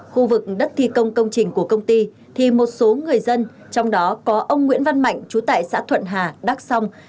khu vực đất thi công công trình của công ty thì một số người dân trong đó có ông nguyễn văn mạnh chú tại xã thuận hà đắc song